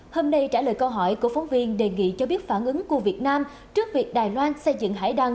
hôm nay trả lời câu hỏi của phóng viên đề nghị cho biết phản ứng của việt nam trước việc đài loan xây dựng hải đăng